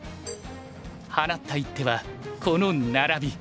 放った一手はこのナラビ。